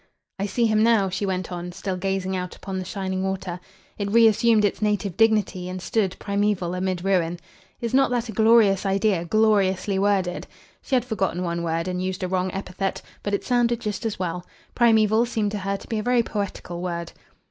"I see him now," she went on, still gazing out upon the shining water. "'It reassumed its native dignity, and stood Primeval amid ruin.' Is not that a glorious idea, gloriously worded?" She had forgotten one word and used a wrong epithet; but it sounded just as well. Primeval seemed to her to be a very poetical word.